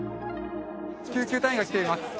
救急隊員が来ています。